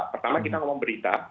pertama kita ngomong berita